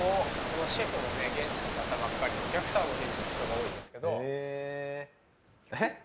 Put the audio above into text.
シェフも現地の方ばっかりでお客さんも現地の人が多いですけど。